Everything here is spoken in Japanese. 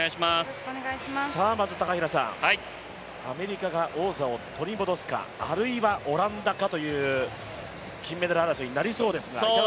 高平さん、アメリカが王座を取り戻すかあるいはオランダかという金メダル争いになりそうですが。